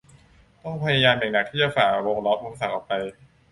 ต้องพยายามอย่างหนักที่จะฝ่าวงล้อมอุปสรรคออกไป